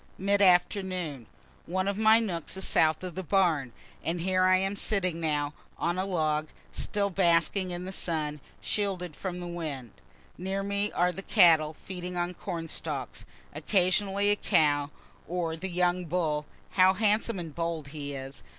Mid afternoon. One of my nooks is south of the barn, and here I am sitting now, on a log, still basking in the sun, shielded from the wind. Near me are the cattle, feeding on corn stalks. Occasionally a cow or the young bull (how handsome and bold he is!)